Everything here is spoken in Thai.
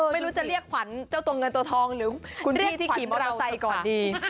ไม่รู้จะเรียกขวัญเจ้าตัวเงินตัวทองหรือคุณพี่ที่ขี่มอเตอร์ไซค์ก่อนดี